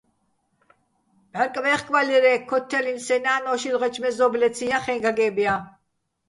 ბჺარკბე́ხბალირ-ე́, ქოთთჲალინო̆ სეჼ ნა́ნ ო შილღეჩო̆ მეზო́ბლეციჼ ჲახე́ჼ გაგე́ბ ჲაჼ.